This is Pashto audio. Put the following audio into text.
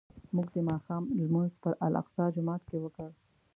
موږ د ماښام لمونځ په الاقصی جومات کې وکړ.